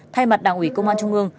thay mặt đảng ủy công an trung ương